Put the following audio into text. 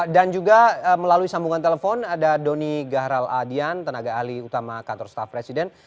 dan juga melalui sambungan telepon ada doni gahral adian tenaga ahli utama kantor staff presiden